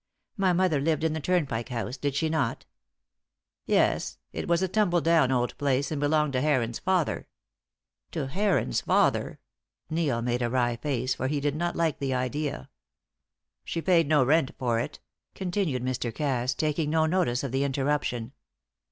My mother lived in the Turnpike House, did she not?" "Yes; it was a tumble down old place, and belonged to Heron's father." "To Heron's father?" Neil made a wry face, for he did not like the idea. "She paid no rent for it," continued Mr. Cass, taking no notice of the interruption.